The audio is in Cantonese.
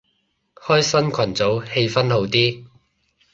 開新群組氣氛好啲